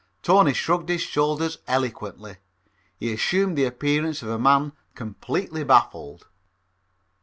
Tony shrugged his shoulders eloquently. He assumed the appearance of a man completely baffled.